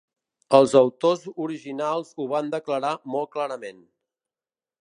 Els autors originals ho van declarar molt clarament.